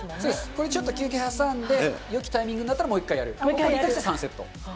これちょっと休憩挟んで、よきタイミングになったらもう１回やる、で３セット。